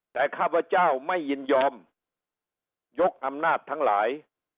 แต่ข้าพเจ้าไม่ยินยอมยกอำนาจทั้งหลาย